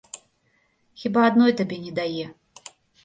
Хіба адной табе не дае.